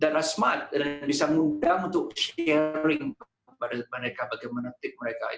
dan mereka smart dan bisa mengundang untuk sharing kepada mereka bagaimana tip mereka